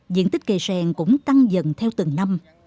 diện tích cây sen cũng tăng dần theo từng năm